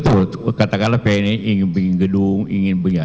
betul katakanlah pni ingin gedung ingin punya